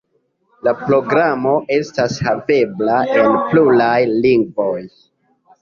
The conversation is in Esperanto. La programo estas havebla en pluraj lingvoj.